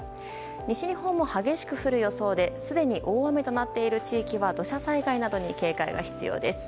西日本も激しく降る予想ですでに大雨となっている地域は土砂災害などに警戒が必要です。